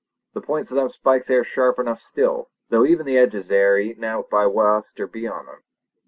The points of them spikes air sharp enough still, though even the edges air eaten out by what uster be on them.